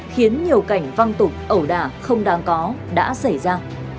khiến nhiều cảnh văng tục ẩu đả không đáng có đã xảy ra